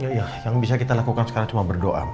ya yang bisa kita lakukan sekarang cuma berdoa